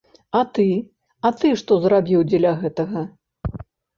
А ты, а ты што зрабіў дзеля гэтага?